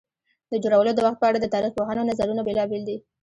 د جوړولو د وخت په اړه د تاریخ پوهانو نظرونه بېلابېل دي.